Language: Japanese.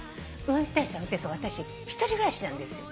運転手さん私１人暮らしなんですよ。